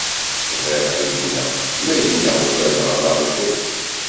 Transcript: Bɣiɣ ad gneɣ, ma gneɣ ugadeɣ ad arguɣ.